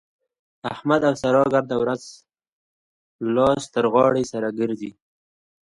احمد او سارا ګرده ورځ لاس تر غاړه سره ګرځي.